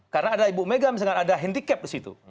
karena ada ibu megah misalkan ada hendicap di situ